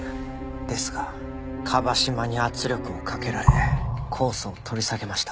ですが椛島に圧力をかけられ控訴を取り下げました。